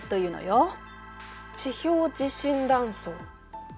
地表地震断層。